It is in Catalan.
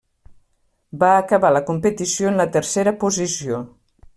Va acabar la competició en la tercera posició.